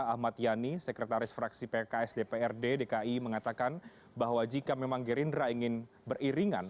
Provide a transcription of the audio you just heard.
ahmad yani sekretaris fraksi pks dprd dki mengatakan bahwa jika memang gerindra ingin beriringan